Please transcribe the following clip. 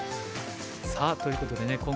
さあということでね